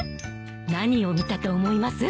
何を見たと思います？